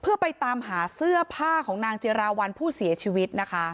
เพื่อไปตามหาเสื้อผ้าของนางจิราวัลผู้เสียชีวิตนะคะ